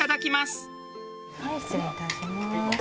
失礼いたします。